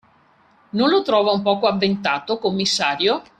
Non lo trova un poco avventato, commissario?